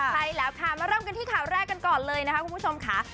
ใช่แล้วค่ะมาเริ่มกันที่ข่าวแรกกันก่อนเลยนะคะคุณผู้ชมค่ะ